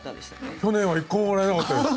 去年は１個ももらえなかったです。